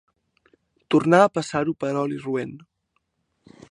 Tornà a passar-ho per oli roent.